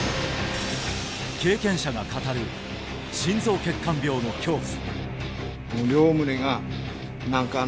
経験者が語る心臓血管病の恐怖